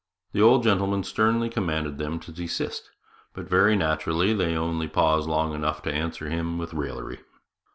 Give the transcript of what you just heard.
The old gentleman sternly commanded them to desist, but, very naturally, they only paused long enough to answer him with raillery.